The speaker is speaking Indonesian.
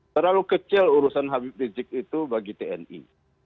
terlalu kecil urusan habib rizik itu bagi tni